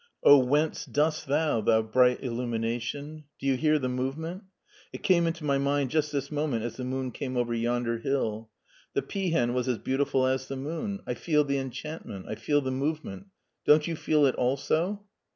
O whence dost thou, thou bright illu mination. Do you hear the movement ? It caqie into my mind just this moment as the moon came over yonder hill. The peahen was as beautiful as the mooa. I feel the enchantment; I feel the movement. Don^t you feel it also